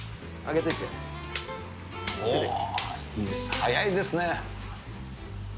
速いですね。